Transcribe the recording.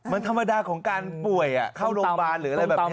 มันธรรมดาของการป่วยเข้าโรงพยาบาลหรืออะไรแบบนี้